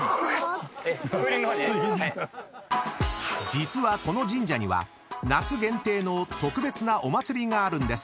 ［実はこの神社には夏限定の特別なお祭りがあるんです］